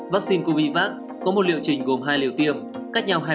vaccine covivac có một liệu trình gồm hai liều tiêm cách nhau hai mươi tám ngày